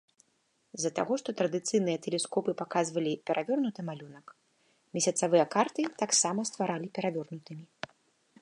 З-за таго, што традыцыйныя тэлескопы паказвалі перавернуты малюнак, месяцавыя карты таксама стваралі перавернутымі.